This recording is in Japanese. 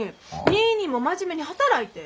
ニーニーも真面目に働いて。